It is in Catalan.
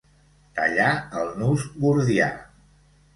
Tallar el nus gordià.